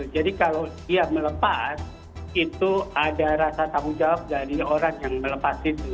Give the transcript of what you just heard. jadi kalau dia melepas itu ada rasa tanggung jawab dari orang yang melepas itu